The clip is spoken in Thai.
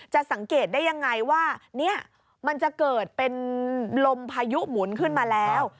สังเกตได้ยังไงว่าเนี่ยมันจะเกิดเป็นลมพายุหมุนขึ้นมาแล้ว